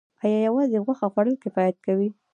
ایا یوازې غوښه خوړل کفایت کوي